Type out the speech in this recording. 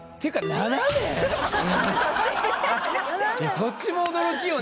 そっちも驚きよね。